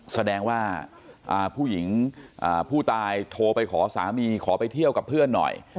แสดงว่าผู้หญิงผู้ตายโทรไปขอสามีขอไปเที่ยวกับเพื่อนหน่อย